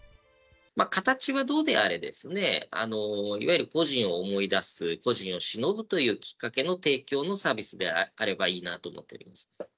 形はどうであれ、いわゆる故人を思い出す、故人をしのぶというきっかけの提供のサービスであればいいなと思ってます。